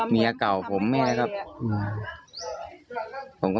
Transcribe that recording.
แม่เก่าของผม